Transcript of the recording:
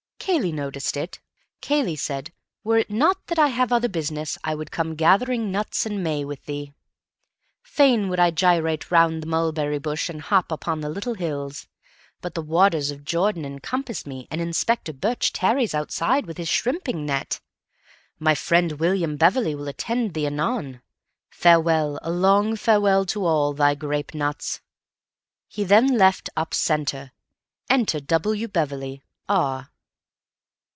Cayley noticed it. Cayley said, 'Were it not that I have other business, I would come gathering nuts and may with thee. Fain would I gyrate round the mulberry bush and hop upon the little hills. But the waters of Jordan encompass me and Inspector Birch tarries outside with his shrimping net. My friend William Beverley will attend thee anon. Farewell, a long farewell to all—thy grape nuts.' He then left up centre. Enter W. Beverley, R."